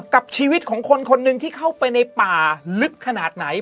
กับชีวิตของคนคนหนึ่งที่เข้าไปในป่าลึกขนาดไหน